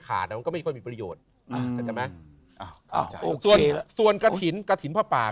ขาดอ่ะมันก็ไม่ค่อยมีประโยชน์อ่าใช่ไหมอ่าโอเคส่วนส่วนกระถินกระถินพระป่า